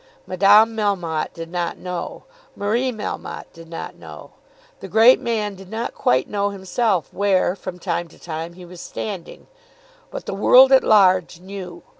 Madame Melmotte did not know. Marie Melmotte did not know. The great man did not quite know himself where, from time to time, he was standing. But the world at large knew.